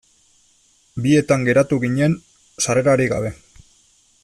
Bietan geratu ginen sarrerarik gabe.